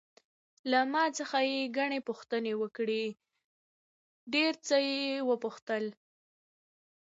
له ما څخه یې ګڼې پوښتنې وکړې، ډېر څه یې وپوښتل.